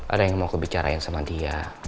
ada yang mau kebicarain sama dia